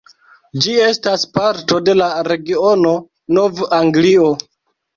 Ĝi estas parto de la regiono Nov-Anglio.